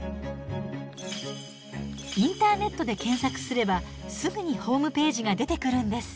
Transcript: インターネットで検索すればすぐにホームページが出てくるんです。